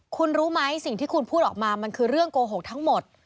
คุณรู้ไหมสิ่งที่คุณพูดออกมามันคือเรื่องโกหกทั้งหมด